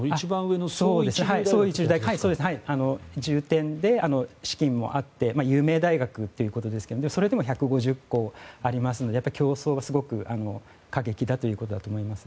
重点で、資金もあって有名大学ということですがそれでも１５０校ありますので競争はすごく過激だということだと思います。